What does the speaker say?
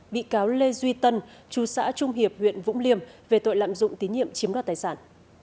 bị cáo lê duy tân chú xã trung hiệp huyện vũng liêm về tội lạm dụng tín nhiệm chiếm đoạt tài sản